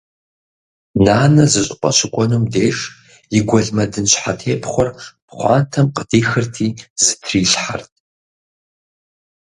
Нанэ зы щӏыпӏэ щыкӏуэнум деж и гуэлмэдын щхьэтепхъуэр пхъуантэм къыдихырти зытрилъхьэрт.